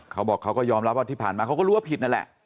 เขาบอกเขาก็ยอมรับว่าที่ผ่านมาเขาก็รู้ว่าผิดนั่นแหละ